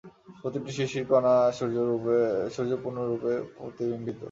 প্রতিটি শিশির-কণাতে সূর্য পূর্ণরূপে প্রতিবিম্বিত।